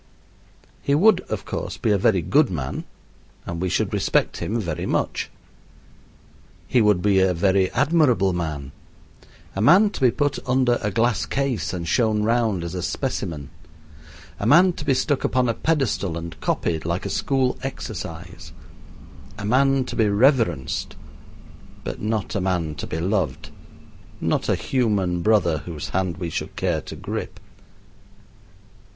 He would, of course, be a very good man, and we should respect him very much. He would be a very admirable man a man to be put under a glass case and shown round as a specimen a man to be stuck upon a pedestal and copied, like a school exercise a man to be reverenced, but not a man to be loved, not a human brother whose hand we should care to grip.